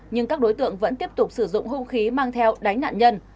nhưng các đối tượng vẫn tiếp tục sử dụng hung khí mang theo đánh nạn nhân